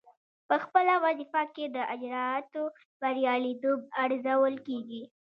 پخپله وظیفه کې د اجرااتو بریالیتوب ارزول کیږي.